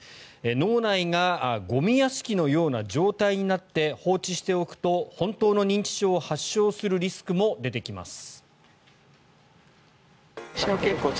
脳内がゴミ屋敷のような状態になって放置しておくと本当の認知症を発症するリスクも出てきます。